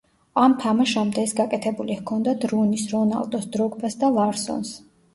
ამ თამაშამდე ეს გაკეთებული ჰქონდათ რუნის, რონალდოს, დროგბას და ლარსონს.